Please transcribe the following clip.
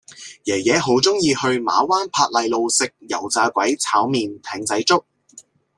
爺爺好鍾意去馬灣珀麗路食油炸鬼炒麵艇仔粥